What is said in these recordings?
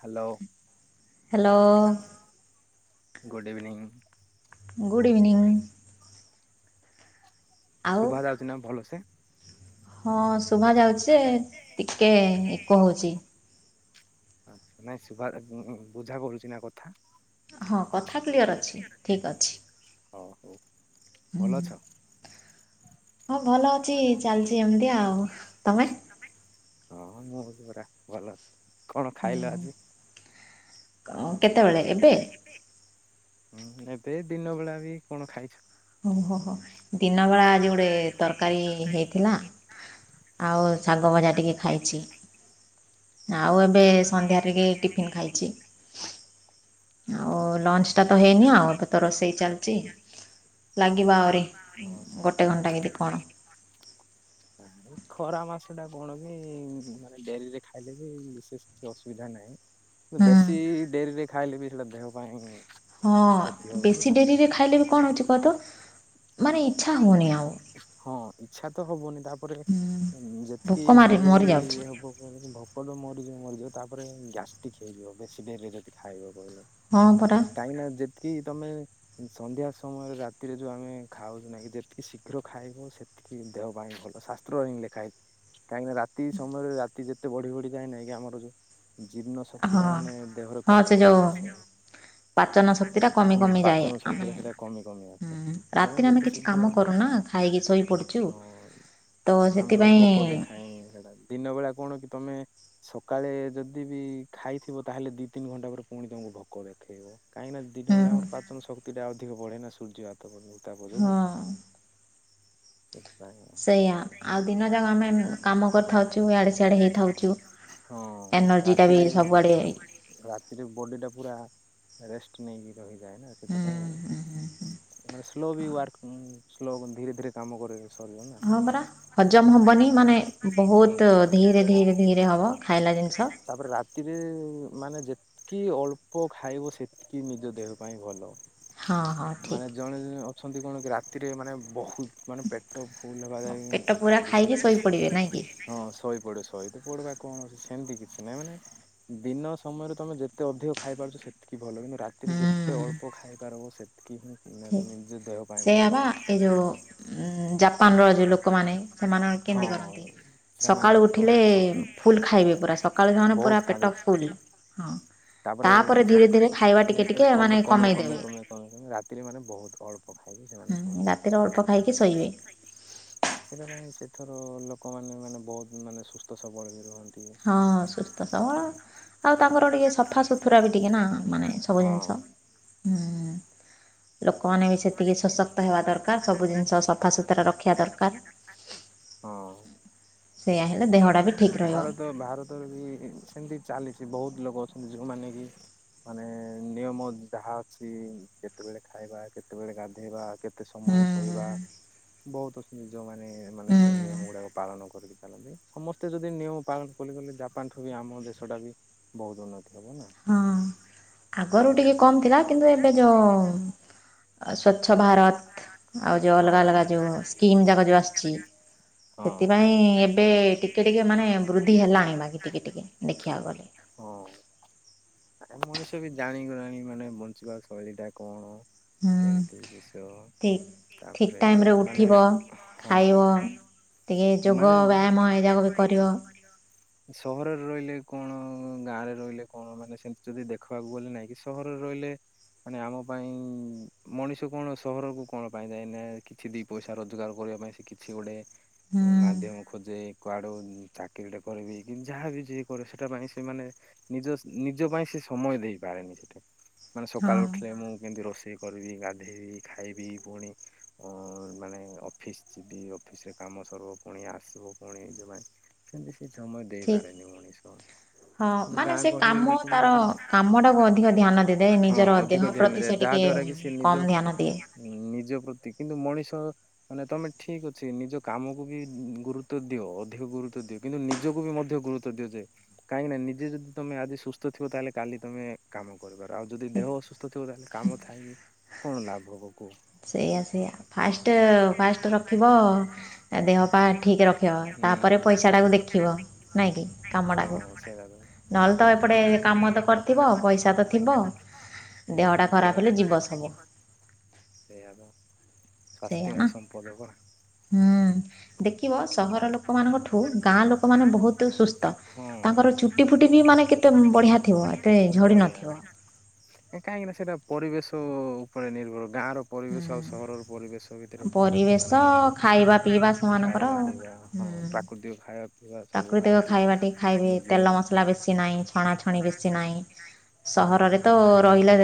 Hello hello good evening. Good evening. ଆଉ ଶୁଭା ଯାଉଛି ନା ଭଲ ସେ ହଁ ଶୁଭା ଯାଉଛି ଟିକେ ଇକୋ ହଉଛି। ଆଚଛା ନାଇଁ ସୁଭ ବୁଝା କରୁଛି ନା କଥା ହଁ କ କଥାା କ୍ଲିଅର୍ ଅଛି ଠିକ୍ ଅଛି। ହଉ ହଉ ହୁଁ ଭଲ ଅଛ? ହଁ ଭଲ ଅଛି ଚାଲିଛି ଏମିତି ଆଉ ତମେ ହଁ ମୁଁ ହଉଛି ପୁରା ଭଲ ଅଛି। କଣ ଖାଇଲ ଆଜି? କାମ କେତେବେଳେ ଏବେ ହୁଁ ଏବେ ଦିନ ବଳା ବି କଣ ଖାଇଛ? ଓହୋ ହୋ ଦିନବେଳା ଆଜି ଗୋଟେ ତରକାରୀ ହେଇଥିଲା ଆଉ ଶାଗ ଭଜା ଟିକେ ଖାଇଛି। ଆଉ ଏବେ ସନ୍ଧ୍ୟାରେ ବି ଟିଫିନ୍ ଖାଇଛି। ହଁ ଓ ଲଞ୍ଚ ଟା ତ ହେଇନି ଆଉ ତ ରୋଷେଇ ଚାଲିଛି। ଲାଗିବ ଆହୁରି କି ଦି ଗୋଟେ କ'ଣ ଘଣ୍ଟା କି କଣ ଖରା ମାସ ଟା କଣ କି ମାନେ ଡେରିରେ ଖାଇଲେ ବି ବିଶେଷ କିଛି ଅସୁବିଧା ନାହିଁ। ହୁଁ। ବେଶି ଡେରି ରେ ଖାଇଲେ ବିି ହେଲା ଦେହ ପାଇଁ ହଁ କ୍ଷତି ହବ ନା। ବେଶୀ ଡେରିରେ ଖାଇଲେ ବି କଣ ହଉଛି କହତ ଇଚ୍ଛା ମାନେ ହେଉନି ଇଛା ଆଉ ହଉନି ହଁ ଇଚ୍ଛା ତ ହବନି ତାପରେ ହୁଁ ଯେତିକି ଭୋକ ମାରି ଡେରି ମରିଯାଉଛି ହବ ଭୋକ ମରି ମରି ଯିବ। ତାପରେ ଗ୍ୟାଷ୍ଟିକ୍ ହେଇଯିବ ବେଶୀ ଡେରି ରେ ଯଦି ଖାଇବ। ହଁ ପରା କାହିଁକି ଯେତିକି ତମେ ସନ୍ଧ୍ୟା ସମୟରେ ରାତିରେ ଯୋଉ ଆମେ ଖାଉ ନାଇଁ ଯେତିକି ଶୀଘ୍ର ଖାଇବ ସେତିକି ଦେହ ପାଇଁ ଭଲ। ଶାସ୍ତ୍ର ରେ ହିଁ ଲେଖା ହେଇଚି କାହିଁକିନା ରାତି ସମୟରେ ରାତି ଯେତେ ବଢି ବଢି ଯାଏ ନାଇଁକି ଆମର ଯୋଉ ଜୀର୍ଣ୍ଣ ଶକ୍ତି ହଁ ଟା ମାନେ ଦେହରେ ହଁ କମି ସେ କମି ଯେଉଁ ଆସେ ହଁ ପାଚନ ଶକ୍ତିଟା କମି କମିଯାଏ ପାଚନ ଶକ୍ତି ଆମେ ଟା ସେଟା କମି କମି ଆସେ। ତେବେ ରାତିରେ ଆମେ କିଛି କାମ କରୁ ନା ହଁ ତ ଆମକୁ ଆଉ ସେଥିପାଇଁ ଭୋକ ଦେଖାଏନି ସେଟା ଦିନ ବେଳା କଣ କି ତମେ ସେଥିପାଇଁ ସକାଳେ ଯଦି ବି ଖାଇଥିବ ତାହେଲେ ଦି ତିନି ଘଣ୍ଟା ପରେ ପୁଣି ତମକୁ ଭୋକ ଦେଖେଇବ। କାହିଁକି ଦିନ ବେଳେ ହୁଁ ଆମର ପାଚନ ଶକ୍ତି। ଶକ୍ତି ଟା ଅଧିକ ବଢେ ନା ସୂର୍ଯ୍ୟ ତାପ ଯୋଗୁ ହଁ ସେଥିପାଇଁ ସେଇଆ ଆଉ ଦିନ ଯାକ ଆମେ କାମ କରିଥାଉ ଇଆଡେ ସିଆଡେ ହେଇଥାଉ ହଁ ଏନର୍ଜିଟା ବି ସବୁଆଡ଼େ ରାତିରେ ରାତିରେ ବଡି ଟା ପୁରା ରେଷ୍ଟ ନେଇକି ହେଇଯାଏ ନା ହୁଁ ସେଥିପାଇଁ ହୁଁ ମାନେ ମୁଁ ସ୍ଲୋ ବି ୱାର୍କ ସ୍ଲୋ ଧୀରେ ଧୀରେ କାମ କରେ। ସରିବ ନା ହଁ ପରା ହଜମ ହବନି ମାନେ ବହୁତ ହୁଁ। ଧି ଧିରେ ଧିରେ ଧିରେ ହବ ଖାଇଲା ଜିନିଷ। କି ଅଳ୍ପ ଖାଇବ ସେତିକି ନିଜ ଦେହ ପାଇଁ ଭଲ। ହଁ ହଁ ଠିକ୍ ମାନେ ଜଣେ ଜଣେ ଅଛନ୍ତି। ଅଛନ୍ତି କଣ କି ରାତିରେ ମାନେ ବହୁତ। ମାନେ ପେଟ ଫୁଲ ହେବା ମୋ ପେଟ ଯାଏ ପୁରା ଖାଆନ୍ତି। ପେଟ ପୁରା ଖାଇକି ଶୋଇପଡ଼ିବେ ସୋଇପଡ଼ିବେ ନାଇଁ କି ନାଇଁ କି ହଁ ଶୋଇ ଶୋଇ ପଡିବା କଣ ସେମିତି କିଛି ନାହିଁ ମାନେ ଦିନ ସମୟରେ ତମେ ଯେତେ ଅଧିକ ଖାଇପାରୁଛ ସେତିକି କି ଭଲ କିନ୍ତୁ ରାତିରେ ଯେତେ ଅଳ୍ପ ଖାଇପାର ହେବ ସେତ୍ ସେଇୟା ବା ଏ ଯୋଉ ଉଁ ଜାପାନର ଯଉ ଲୋକମାନେ ସେମାନେ ହଁ କେମିତି କରନ୍ତି ସେମାନେ ସକାଳୁ ଉେଲେ କଣ ଫୁଲ ଖାଇବେ ପୁରା ସକାଳୁ ସେମାନେ ବହୁତ ପୁରା ଖାଆନ୍ତି ପେଟ ଫୁଲ୍ ହଁ ତାପରେ ଧୀରେ ଧୀରେ ଖାଇବା ଟିକେ ଟିକେ ମାନେ କମେଇ ଦେବେ। ସେତିରେ ମାନେ ବହୁତ ଅଳ୍ ଖାଇକି ସେମାନେ ଶୁଅନ୍ତି। ରାତିରେ ଅଳ୍ପ ଖାଇକି ଶୋଇବେ ଏଥର ଲୋକମାନେ ମାନେ ବହୁତ୍ ମାନେ ସୁସ୍ଥ ସବଳ ହିଁ ରୁହନ୍ତି। ହଁ ସୁସ୍ଥ ସବଳ ଆଉ ତାଙ୍କର ଟିକେ ସଫାସୁତୁରା ବି ଟିକେ ନା ମାନେ ସବୁ ହଁ ଜିନିଷ। ହୁଁ ଉଁ ଲୋକ ଲୋକମାନେ ବି ସେତିକି ସଶକ୍ତ ହେବା ଦରକାର ସବୁ ଜିନିଷ ସଫା ସୁତରା ରଖିବା ଦରକାର। ହଁ। ସେଇୟା ହେଲେ ଦେହଟା ବି ଠିକ୍ [unintelligible] ରହିବ ହୁଁ ଭାରତ ଭାରତରେ ବି ସେମିତି ଚାଲିଛି। ବହୁତ ଲୋକ ଅଛନ୍ତି ଯଉମାନେ କି ମାନେ ନିୟମ ଯାହା ଅଛି କେତେବେଳେ ଖାଇବା କେତେବେଳେ ଗାଧେଇବା କେତେ ସମୟ ହୁଁ ଶୋଇବା ବହୁତ୍ ଯୋଉମାନେ। ହୁଁ ନେ ସେ ହୁଁ ନିୟମ ଗୁଡ଼ାକ ପାଳନ କରିକି [unintelligible] ସମସ୍ତେ ଯଦି ନିୟମ ପାଳନ କ କଲେ ଜାପାନଠୁ ବି ଆମ ଦେଶଟା ବି ବହୁତ ଉନ୍ନତି ହବ ନା ହଁ ଆଗରୁ ଟିକେ କମ୍ ଥିଲା କିନ୍ତୁ ଏବେ ଯେଉଁ ସ୍ୱଚ୍ଛ ଭାରତ୍ ଆଉ ଯେଉ ଅଲଗା ହଁ ଅଲଗା ଯୋଉ ସ୍କିମ୍ ଯାକ ଯେଉଁ ଆସିଛି ହଁ ସେଥିପାଇଁ ଏବେ ଟି ଟିକେ ଟିକେ ମାନେ ବୃଦ୍ଧି ହେଲାଣି ବାକି ଟିକେ ଟିକେ ଦେଖିବାକୁ ଗଲେ। ଆ ମଣିଷ ବି ଜାଣିଗଲାଣି ମାନେ ବଞ୍ଚିବା ଶୈଳୀ ଟା କଣ। ହୁଁ ଠିକ୍ ଠିକ୍ ଟାଇମରେ ଉଠିବ ଖାଇବ [unintelligible] ଏଇଯାକ ବି କରିଅ। ସହରରେ ରହିଲେ କଣ ଗାଁରେ ରହିଲେ କଣ ମାନେ ସେମତି ଯଦି ଦେଖିବାକୁ ଗଲେ ନାହିଁ କି ସହରରେ ରହିଲେ ମାନେ ଆମ ପାଇଁ ମଣିଷ କଣ ସହରକୁ କଣ ପାଇଁ ଯାଏନା କିଛି ଦି ପଇସା ରୋଜଗାର କରିବା ପାଇଁ ସେ କିଛି ଗୋଟେ ହୁଁ ମାଧ୍ୟମ ଖୋଜେ। କୁଆଡ଼ୁ ଚାକିରିଟେ କରିବି କି ଯାହା ବି ଯିଏ କରେ ସେଇଟା ପାଇଁ ସେମାନେ ନିଜ ନିଜ ପାଇଁ ସେ ସମୟ ଦେଇପାରେନି ସେଠି ମାନେ ହଁ ସକାଳୁ ଉଠିଲେ ମୁଁ କେମିତି ରୋଷେଇ କରିବି ଗାଧେଇବି ଖାଇବି ପୁଣି ଉଁ ମାନେ ଅଫିସ୍ ଯିବି ଅଫିସରେ କାମ ସରିବ ପୁଣି ଆସିବ। ପୁଣି ଯୋଉମାନେ ସେମିତି କି ସମୟ ଠିକ୍ ଦେଇପାରେନି ମଣିଷ ହଁ କିନ୍ତୁ ମାନେ ଗାଁ ସେ ଗହଳିର କାମ ତାର ଲୋକମାନେ କାମଟାକୁ ଅଧିକ ଧ୍ୟାନ ଦେଇଥାଏ ହଁ ନିଜର ଦେହ ଅଧିକ ପ୍ରତି ଧ୍ୟାନ ଦ ସେ ଯାହା ଟିକେ ଦ୍ଵାରା କି ସେ ନିଜ କମ୍ ଧ୍ୟାନ ଦିଏ ନିଜ ପ୍ରତି କିନ୍ତୁ ମଣିଷ ମାନେ ତମେ ଠିକ ଅଛି ନିଜ କାମକୁ ବି ଗୁରୁ ତ୍ଵ ଦିଅ ଅଧିକ ଗୁରୁତ୍ୱ ଦିଅ କିନ୍ତୁ ନିଜକୁ ବି ମଧ୍ୟ ଗୁରୁତ୍ୱ ଦିଅ ଯେ କାହିଁକି ନା ନିଜେ ଯଦି ତମେ ଆଜି ସୁସ୍ଥ ଥିବ ତାହେଲେ କାଲି ତମେ କାମ କରିବାର ଆଉ ଯଦି ଠିକ୍ ଦେହ ଅସୁସ୍ଥ ଥିବ ତାହେଲେ କାମ ଥାଇକି କଣ ଲାଭ ହବ କୁହ। ସେଇଆ ସେଇଆ ଫାଷ୍ଟ ଫାଷ୍ଟ ରଖିବ ଦେହ ପା ଠିକ ର ନାଇଁ କି କାମଟାକୁ ନହେଲେ ତ ଏପଟେ କାମ ତ କରିଥିବ ପଇସା ତ ଥିବ ଦେହଟା ଖରାପ ହେଲେ ଯିବ ସବୁ [unintelligible] ସେ ଆଦ ସେଇଆ ନା ହୁଁ ଦେଖିବ ସହର ଲୋକମାନଙ୍କଠୁ ଗାଁ ଲୋକମାନେ ବହୁତ ସୁସ୍ଥ ହଁ ତାଙ୍କର ଚୁଟି ଫୁଟି ବି ମାନେ କେତେ ବଢି ଥିବ ଏତେ ଝଡ଼ି ନଥିବ ଏ ପରିବେଶ ଉପରେ ନିର୍ଭର ଗାଁ ର ପରିବେଶ ଆଉ ସହରର ପରିବେଶ ଭିତରେ ହୁଁ ପରିବେଶ ମାନେ ଖାଇବା ପିଇବା ସେମାନଙ୍କର ଖାଇବାକୁ ହୁଁ। ସେଇା ହଁ ପ୍ରାକୃତିକ ଖାୟ ସବୁ ପ୍ରାକୃତିକ ଖାଆନ୍ତି ଖାଇବା ଟିକେ ଖାଇବେ ତେଲ ମସଲା ବେଶୀ ନାହିଁ ଛଣାଛଣି ବେଶୀ ନାହିଁ। ସହରରେ ତ ରହିଲେ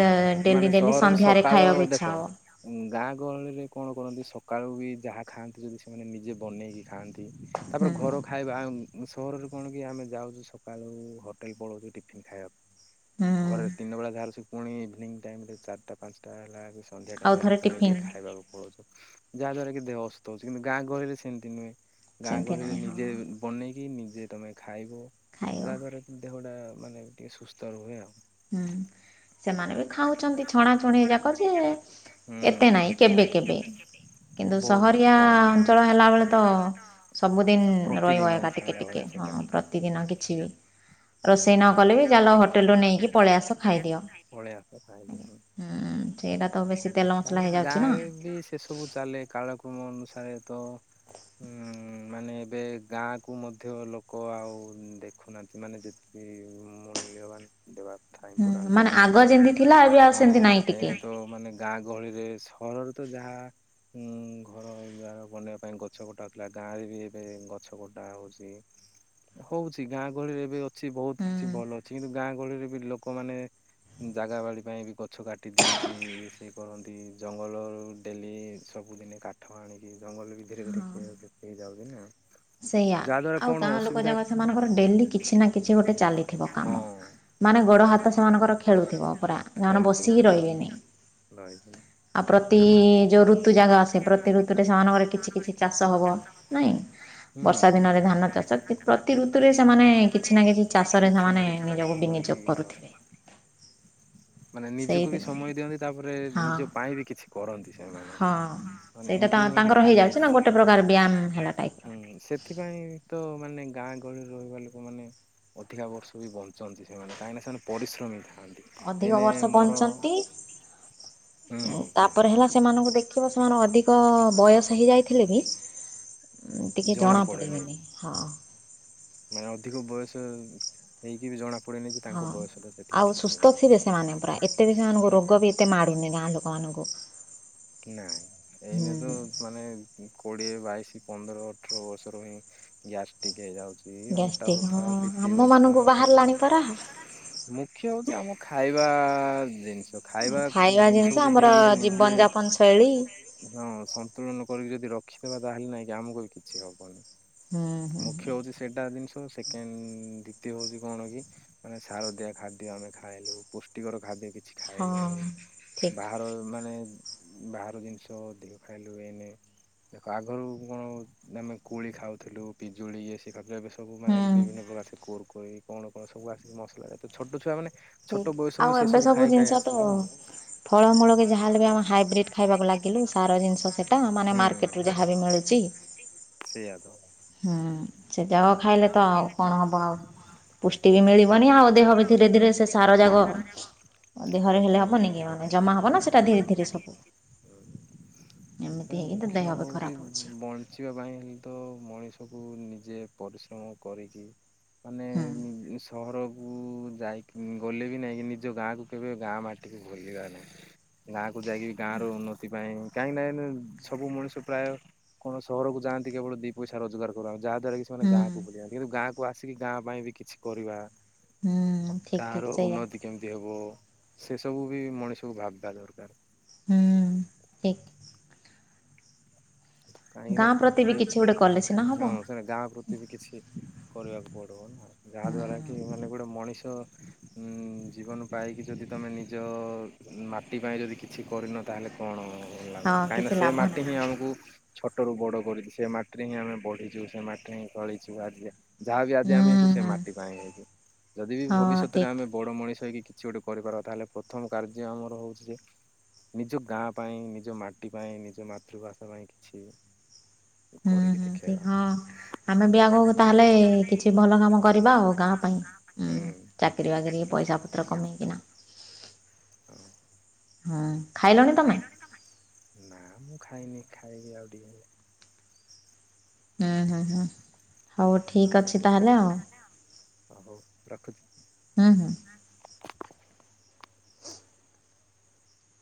ଡେଲି ମାନେ ଡେଲି ସହରରେ ସନ୍ଧ୍ୟାରେ ସକାଳ ଖାଇବାକୁ ଇଚ୍ଛା ଦେଖ ହବ। ଗାଁ ଗହଳିରେ କଣ କରନ୍ତି। ସକାଳୁ ବି ଯାହା ଖାଆନ୍ତି ଯଦି ସେମାନେ ନିଜେ ବନେଇକି ଥାନ୍ତି ତାପରେ ହୁଁ ଘର ଖାଇବା ସହରରେ କଣ କି ଆମେ ଯାଉଛୁ ସକାଳୁ ହୋଟେଲ ପଳଉଛୁ ଟିଫିନ ଖାଇବାକୁ ହୁଁ ଘରେରେ ତିନି ବେଳା ଧାର ଶ ପୁଣି ଇଭିନିଂ ଟାଇମ ରେ ଚାରିଟା ପାଞ୍ଚଟା ହେଲା ସନ୍ଧ୍ୟା ଆଉ ଟାଇମ୍ ହେଲେ ଥରେ ପୁଣି ଟିଫିନ୍ ଟିକିଏ ଖାଇବାକୁ ପଳଉଛୁ। ଯାହା ଦ୍ଵାରା କି ଦେହ ଅସଥ ଅଛି କିନ୍ତୁ ଗାଁ ଗରେ ସେମିତି ନୁହେଁ। ଗାଁ ସେମିତି ଗହରେ ନାହିଁ ହଁ। ନିଜେ ବନେଇ କି ନିଜେ ତମେ ଖାଇବ ଖାଇବ ଯରେ ଦେ ମାନେ ଟିକେ ସୁସ୍ଥ ରୁହେ ଆଉ ହୁଁ ସେମାନେ ବି ଖାଉଛନ୍ତି ଛଣାଛଣି ଯାକ ଯେ ଏତେ ନାହିଁ ହୁଁ। କେବେ କେବେ କିନ୍ତୁ ବହୁତ ସହରିଆ କମ୍ ଅଞ୍ଚଳ ହେଲା ବଳେ ତ ସବୁଦିନ ରହିବ ପ୍ରତିଦିନ ଏକା ଟିକେ ଖାଇଲା ଟିକେ ଭଳିଆ ହଁ ସେଟା ପ୍ରତିଦିନ କିଛି ବି ରୋଷେଇ ନ କଲେ ବି ଜାଲ ହୋଟେଲ ରୁ ନେଇକି ପଳେଇ ଆସ ଖାଇଦିଅ। ଳସ ଖାଇଲେଁ ହୁଁ ସେଇଟା ତ ବେଶୀ ତେଲ ମସଲା ତାପରେ ହେଇଯାଉଛି ନା ଗାଁରେ ବି ସେ ସବୁ ଚାଲେ କାଳକ୍ରମ ଅନୁସାରେ ପାଷାରେ ତ ହଁ ମାନେ ଏବେ ଗାଁ କୁ ମଧ୍ୟ ଲୋକ ଆଉ ଦେଖୁନାହାନ୍ତି ମାନେ ଯେତିକି ମୂଲ୍ୟବାନ ଦେବାକୁ ଦେବା ହୁଁ ମାନେ ଆଗ କଥା ଯେମିତି ଥିଲା ଏବେ ଆଉ ହଁ ସେମିତି ନାହିଁ ଟିକେ ଏଇ ତ ମାନେ ଗାଁ ଗହଳିରେ ଘରରେ ତ ଯାହା ଉ ଘର ଯାହାର ବନେଇବା ପାଇଁ ଗଛ କଟା ପିଲା ଗାଁ ରେ ବି ଏବେ ଗଛ କଟା ହଉଛି ହଉଛି ଗାଁ ଗହଳିରେ ଏବେ ଅଛି ବହୁତ ହୁଁ କିଛି ଭଲ ଅଛି କିନ୍ତୁ ଗାଁ ଗହଳିରେ ବି ଲୋକ ଲୋକମାନେ ଜାଗା ବାଡ଼ି ପାଇଁ ବି ଗଛ କାଟି ଦିଅନ୍ତି ସେଏ କରନ୍ତି ଜଙ୍ଗଲରୁ ଡେଲି ସବୁଦିନେ କାଠ ଆଣିକି ଜଙ୍ଗଲ ବି ଧରେ ଦେଖିବା ଯାଉଦିନ ନା ସେଇଆ ଯାହା ଦ୍ଵାରା ଆଉ କଣ ଗାଁ ଲୋକ ଅସୁବିଧା ଯାକ ସେମାନଙ୍କର ଡେଲି କିଛି ନା କିଛି ଗୋଟେ ଚାଲିଛି, କାମ ହଁ ମାନେ ଗୋଡ ହାତ ସେମାନଙ୍କର ଖେଳୁଥିବ ପୁରା ଯମାନେ ଖେଳୁଥିବ ବସିକି ହଁ ରହିବେନି, ରହିଥିବ ହୁଁ। ଆଉ ପ୍ରତି ଯୋଉ ଋତୁ ଜାଗା ଆସେ ପ୍ରତି ଋତୁରେ ସେମାନଙ୍କର କିଛି କିଛି ଚାଷ ହବ, ନାଇଁ ବର୍ଷା ଦିନରେ ଧାନ ଚାଷ କି ପ୍ରତି ଋତୁରେ ସେମାନେ କିଛି ନା କିଛି ଚାଷରେ କିଛି ନା ସେମାନେ କିଛି ଚାଷ ନିଜକୁ କରିକି ବିନିଯୋଗ କରୁଥିବେ ମାନେ ନିଜକୁ ବି ସେଇଥିପାଇଁ ସମୟ ଦିଅନ୍ତି ତାପରେ ହଁ ନିଜ ପାଇଁ ବି କିଛି କରନ୍ତି, ସେମାନେ ହଁ। ମାନେ ସେଇଟା ଏମିତି ନୁହଁ କି ତାଙ୍କର ଖାଲି ହେଇଯାଉଛି ନା ଗୋଟେ ପ୍ରକାର ବ୍ୟାୟାମ ହେଲା ଟାଇପର। ସେଥିପାଇଁ ତ ମାନେ ଗାଁ ଗହଳିରେ ରହିବା ଲୋକମାନେ ଅଧିକା ବର୍ଷା ସୁ ବି ବଞ୍ଚନ୍ତି ସେମାନେ କାହିଁକିନା ସେମାନେ ପରିଶ୍ରମିକ ଅଧିକ ବର୍ଷ ପଞ୍ଚଛନ୍ତି। ହୁଁ ତାପରେ ହେଲା ସେମାନଙ୍କୁ ଦେଖିବ ସେମାନେ ଅଧିକ ବୟସ ହେଇଯାଇଥିଲେ ବି ଟିକେ ଜଣା ପଡିବେନି ହଁ ମାନେ ଅଧିକ ବୟସ ହେଇକି ବି ଜଣା ପଡେନି ଯେ ହଁ ତାଙ୍କ ବୟସଟା ସେତିକି ଆଉ ଥିବ। ସୁସ୍ଥ ଥିବେ ସେମାନେ ପୁରା ଏତେ ବି ସେମାନଙ୍କୁ ରୋଗ ବି ଏତେ ମାଡୁନି ଗାଁ ଲୋକମାନଙ୍କୁ। ନାଇଁ ହୁଁ ଏଇନେ ତ ମାନେ କୋଡିଏ ବାଇଶ ପନ୍ଦର ଅଠର ବର୍ଷରୁ ହିଁ ଗ୍ୟାସ୍ ଟିକ ହେଇଯାଉଛି। ଅଣ୍ଟା ଗ୍ୟାଷ୍ଟ୍ରିକ୍ ହଁ ବଥା ପିଟି ଆମ ବଥା ମାନଙ୍କୁ ବାହାରିଲାଣି ପରା। ସବୁ ମୁଖ୍ୟ ହଉଛି ଆମ ଖାଇ ଜିନିଷ ତ ଖାଇବା ଜିନିଷ ଜିନିଷକୁ ଯଦି ଆମର ଆମେ ନିଜେ ଜୀବନ ଯାପନ ଶୈଳୀ ହଁ ସନ୍ତୁଳନ କରି। ଯଦି ରଖିଦବା ତାହେଲେ ନାଇଁକ ଆମକୁ ବି କିଛି ହବନି ହୁଁ ହୁଁ ମୁଖ୍ୟ ହୁଁ ହଉଛି ସେଇଟା ଜିନିଷ ସେକେଣ୍ଡ ଦ୍ଵିତୀୟ ହଉଛି କଣ କି ମାନେ ଶାରଦିଆ ଖାଦ୍ୟ ଆମେ ଖାଇଲୁ ପୁଷ୍ଟିକର ଖାଦ୍ୟ କି କିଛି ହଁ। ଖାଇଲୁଣି ଠିକ୍ ବାହାର ମାନେ ବାହାର ଜିନିଷ ଅଧିକ ଖାଇଲେ ହୁଏନି ଦେଖ ଆଗରୁ କଣ ଆମେ କୋଳି ଖାଉଥିଲୁ। ପିଜୁଳି ଇଏ ସିଏ କାଜୁ ବାଇ ବେସ ସବୁ ମାନେ ହୁଁ ବିଭିନ୍ନ ପ୍ରକାର ସେ କୋର୍ କୁ କୁଇ କଣ କଣ ସବୁ ଆସି ମସଲା ଯା ତ ଛୋଟ ଛୁଆ ମାନେ ଠିକ ଆଉ ଏବେ ସବୁ ଜିନିଷ ତ ଆସିଲେଣି। ଫଳମୂଳ କି ଯାହାଲେ ବି ଆମେ ହାଇବ୍ରିଡ ଖାଇବାକୁ ଲାଗିଲୁ ସାର ଜିନିଷ ସେଟା ମାନେ ହୁଁ ମାର୍କେଟ ରୁ ଯାହାବ ମିଳୁଛି। ସେଇଆ ତ ହୁଁ ସେ ଜାଗ ଖାଇଲେ ତ ଆଉ କଣ ହବ ଆଉ ପୁଷ୍ଟି ବି ମିଳିବନି ଆଉ ଦେହ ବି ଧୀରେ ଧୀରେ ସେ [unintelligible] କୁ ସାର ନିଜେ ଯାକ ଦେହରେ ହେଲେ ହବନି କି ମାନେ ଜମା ହବ ନା ସେଇଟା ଧୀରେ ଧୀରେ ସବୁ ଏମିତି ହେଇକି ତ ଦେହ ବି ଖରାପ ହେଉଛି। ପରିଶ୍ରମ କରିକି ହୁଁ ମାନେ ସହର ମୁଁ ଉ ଯାଇକି ଗଲେ ବି ନାଇଁ ନିଜ ଗାଁକୁ କେବେ ଗାଁ ମାଟିକୁ ଭୁଲିବା ନାହିଁ ଗାଁ ତାକୁ ଯାଇକି ଗାଁର ଉନ୍ନତି ପାଇଁ କାହିଁକି ନାହିଁ ସବୁ ମଣିଷ ପ୍ରାୟ କଣ ସହରକୁ ଯାଆନ୍ତି କେବଳ ଦି ପଇସା ରୋଜଗାର [unintelligible] ଯାହାଦ୍ୱାରା କି ସେମାନେ ହୁଁ ଗାଁ କୁ ବୁଲି ଯାନ୍ତି। କିନ୍ତୁ ଗାଁ କୁ ଆସିକି ଗାଁ ପାଇଁ ବି କିଛି କରିବା ହୁଁ ଠିକ୍ ଗାଁର ଠିକ୍ ସେଇଆ ଉନ୍ନତି କେମିତି ହେବ ସେ ସବୁ ବି ମଣିଷକୁ ଭାବିବା ଦରକାର। ହୁଁ ଠିକ୍ କାହିଁକି ନା ଗାଁ ପ୍ରତି ବି ଏଇ କିଛି ଗୋଟେ କଲେ ସିନା ହବ ହଁ ସେଟ ଗାଁ ପ୍ରତି ବି କିଛି କରିବାକୁ ପଡ଼ିବ ନା। ଯାହା ହୁଁ। ଦ୍ଵାରା କି ମାନେ ଗୋଟେ ମଣିଷ ତ ଜୀବନ ପାଇକି ଯଦି ତମେ ନିଜ ମାଟି ପାଇଁ ଯଦି କିଛି କରିନ ତାହେଲେ କଣ ହଁ କିଛି କାହିଁକିନା ସେ ଲାଭ ମାଟି ନାହିଁ ହିଁ ଆମକୁ ଛୋଟରୁୁ ବଡ କରିଛି ସେ ମାଟିରେ ହିଁ ଆମେ ବଢିଛୁ ସେ ମାଟିରେ ହିଁ ଚଳିଛୁ ଆଜି ଯାହା ବି ଆଜି ଆମେ ହେଇଛୁ ହୁଁ ସେ ହୁଁ ମାଟି ପାଇଁ ହେଇଛୁ ଯଦି ବି ହଁ ଭବିଷ୍ୟତରେ ଠିକ୍। ଆମେ ବଡ ମଣିଷ ହେଇକି କିଛି ଗୋଟେ କରିପାରବା ତାହେଲେ ପ୍ରଥମ କାର୍ଯ୍ୟ ଆମର ହଉଛି ଯେ ନିଜ ଗାଁ ପାଇଁ ନିଜ ମାଟି ପାଇଁ ନିଜ ମାତୃଭାଷା ପାଇଁ କି ଛି ହୁଁ ହୁଁ ଠିକ ହଁ ଆମେ ବି ଆଗ ତାହେଲେ କିଛି ଭଲ କାମ କରିବା ଆଉ ଗାଁ ପାଇଁ ହୁଁ ଚାକିର ବାକିରି ପଇସା ପତ୍ର କମେଇକିନା। ହଁ ହୁଁ ଖାଇଲଣି ତମେ? [unintelligible] ନା ମୁଁ ଖାଇନି। ଖାଇବି ଆଉ ଟିକେ ଗଲେ। ହୁ ହୁ ହୁ ହଉ ଠିକ୍ ଅଛି ତାହେଲେ ଆଉ ହଉ ରଖୁଛି। [inaudible] ହୁ ହୁ।